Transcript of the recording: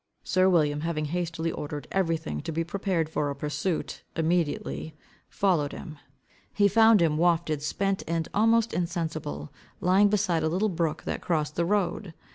Sir William, having hastily ordered everything to be prepared for a pursuit, immediately followed him. He found him, wafted, spent, and almost insensible, lying beside a little brook that crossed the road.